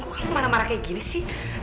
kok kamu marah marah kayak gini sih